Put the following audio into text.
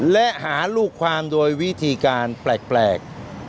และหาลูกความโดยวิธีการแปลก